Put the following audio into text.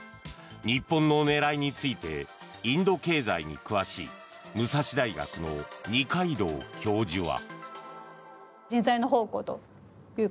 日本の狙いについてインド経済に詳しい武蔵大学の二階堂教授は。